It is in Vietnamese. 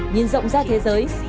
nhìn rộng ra thế giới